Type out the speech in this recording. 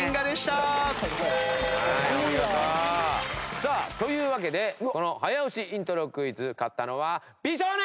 さあというわけでこの早押しイントロクイズ勝ったのは美少年！